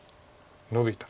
ノビた。